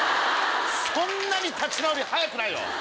そんなに立ち直り早くないよ。